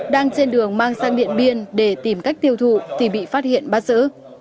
đang trên đường mang sang điện biên để tìm cách tiêu thụ thì bị phát hiện bắt giữ